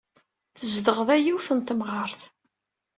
Tezdeɣ da yiwet n temɣart.